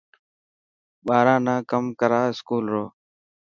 ٻاران نا ڪم ڪرا اسڪول رو.